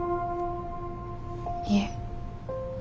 いえ。